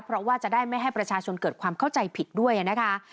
เพราะว่าจะได้ไม่ให้ประชาชนเกิดความเข้าใจผิดด้วยนะคะ